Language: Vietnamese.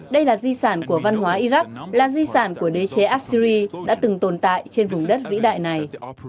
đây là di sản của văn hóa iraq là di sản của đế chế asyri đã từng tồn tại trên vùng đất vĩ đại này